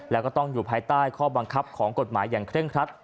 แล้วก็ต้องอยู่ภายใต้ข้อบังคับของกฎหมายอย่างเคร่งครัด